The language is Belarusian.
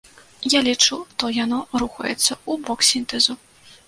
Я лічу, то яно рухаецца ў бок сінтэзу.